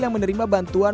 yang menerima bantuan